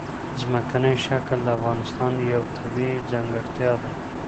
ځمکنی شکل د افغانستان یوه طبیعي ځانګړتیا ده.